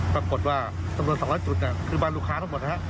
ปรากฏว่าจำนวน๒๐๐จุดคือบ้านลูกค้าทั้งหมดนะฮะ